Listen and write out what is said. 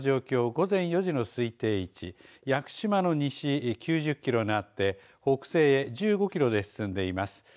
午前４時の推定位置屋久島の西、９０キロにあって北西へ１５キロで進んでいます。